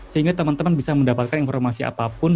sehingga teman teman bisa mendapatkan informasi apapun